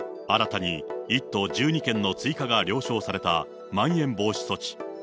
新たに１都１２県の追加が了承されたまん延防止措置。